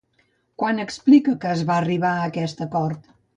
Quan explica que es va arribar a aquest acord?